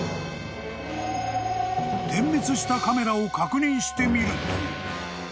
［点滅したカメラを確認してみると］